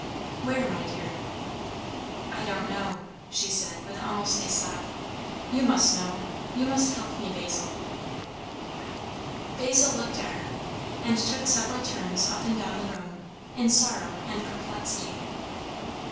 "Where, my dear? "I don't know," she said with almost a sob. "You must know. You must help me, Basil." Basil looked at her, and took several turns up and down the room, in sorrow and perplexity.